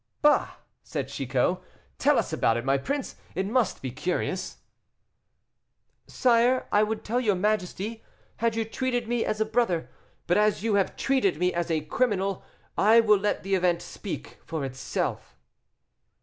"Bah!" said Chicot, "tell us about it, my prince; it must be curious." "Sire, I would tell your majesty, had you treated me as a brother, but as you have treated me as a criminal, I will let the event speak for itself."